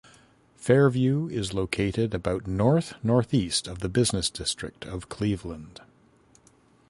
Fairview is located about north northeast of the business district of Cleveland.